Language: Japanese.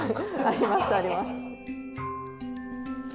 ありますあります。